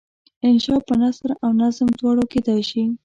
انشأ په نثر او نظم دواړو کیدای شي.